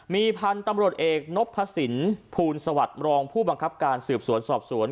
มีพันธุ์ตำรวจเอกนพสินภูลสวัสดิ์รองผู้บังคับการสืบสวนสอบสวน